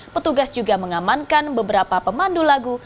petugas juga mengamankan beberapa pemandu lagu